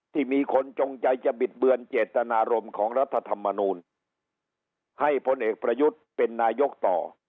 ที่มีคนจงใจจะบิดเบือนเจตนารมณ์ของรัฐธรรมนูลให้พลเอกประยุทธ์เป็นนายกต่อ